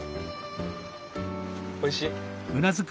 おいしい？